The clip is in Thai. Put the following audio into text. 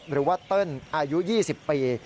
หรือว่าเติ้ลอายุ๒๐ปี